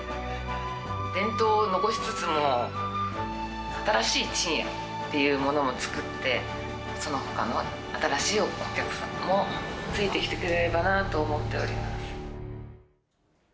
伝統を残しつつも、新しいちんやっていうものを作って、そのほかの新しいお客さんもついてきてくれればなと思っております。